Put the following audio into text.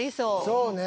そうね